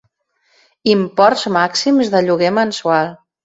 Imports màxims de lloguer mensual.